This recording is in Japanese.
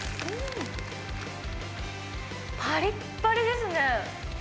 ぱりっぱりですね。